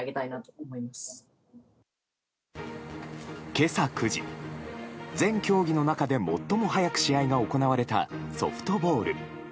今朝９時全競技の中で最も早く試合が行われたソフトボール。